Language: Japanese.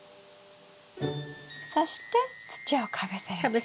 そして土をかぶせるんですか？